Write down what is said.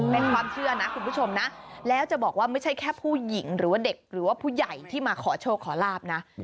เป็นความเชื่อนะคุณผู้ชมนะแล้วจะบอกว่าไม่ใช่แค่ผู้หญิงหรือว่าเด็กหรือว่าผู้ใหญ่ที่มาขอโชคขอลาบนะ